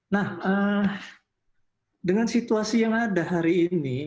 nah dengan situasi yang ada hari ini